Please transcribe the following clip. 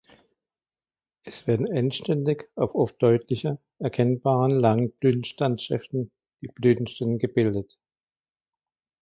Es werden endständig auf oft deutliche erkennbaren, langen Blütenstandsschäften die Blütenstände gebildet.